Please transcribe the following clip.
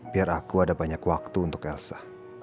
biar aku ada banyak waktu untuk elsa